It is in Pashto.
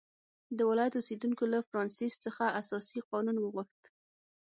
د ولایت اوسېدونکو له فرانسیس څخه اساسي قانون وغوښت.